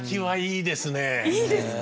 いいですか。